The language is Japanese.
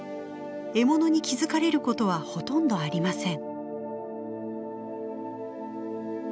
獲物に気付かれることはほとんどありません。